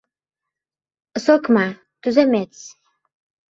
— So‘kma, tuzemets!